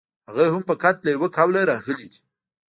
هغه هم فقط له یوه قوله راغلی دی.